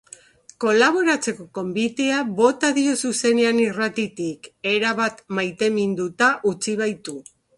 Kolaboratzeko gonbitea bota dio zuzenean irratitik, erabat maiteminduta utzi baitu.